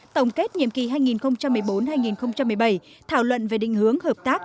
tổng kết nhiệm kỳ hai nghìn một mươi bốn hai nghìn một mươi bảy thảo luận về định hướng hợp tác